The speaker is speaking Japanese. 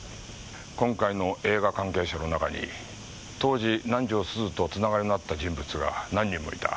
今回の映画関係者の中に当時南条すずとつながりのあった人物が何人もいた。